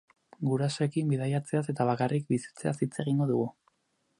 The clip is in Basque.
Gurasoekin bidaiatzeaz eta bakarrik bizitzeaz hitz egingo dugu.